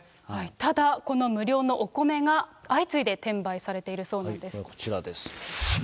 ただ、この無料のお米が、相次いで転売されているそうなんでこちらです。